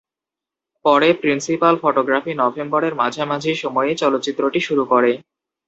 পরে principal photography নভেম্বরের মাঝামাঝি সময়ে চলচ্চিত্রটি শুরু করে।